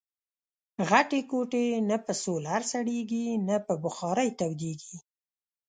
غټي کوټې نه په کولرسړېږي ، نه په بخارۍ تودېږي